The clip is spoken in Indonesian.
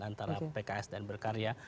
antara pks dan berkarya